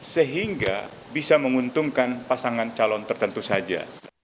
sehingga bisa menguntungkan pasangan calon tertentu saja